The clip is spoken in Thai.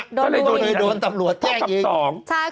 ก็เลยโดนตำรวจแจ้งเอง